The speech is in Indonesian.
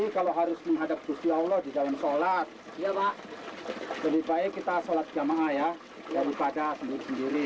hai kalau harus menghadap busti allah di dalam sholat ya pak lebih baik kita sholat jamaah ya daripada sendiri sendiri